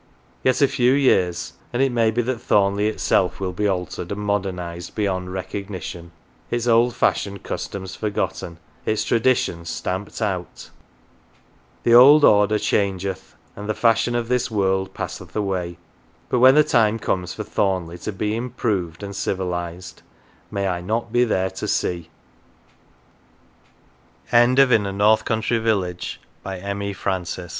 Yet a few years, and it may be that Thornleigh itself will be altered and modernised beyond recognition, its old 262 MATES fashioned customs forgotten, its traditions stamped out. The old order changeth, and the fashion of this world passeth away ; but when the time comes for Thornleigh to be " improved " and civilised, may I not be there to